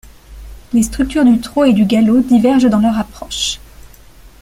Les structures du trot et du galop divergent dans leur approche.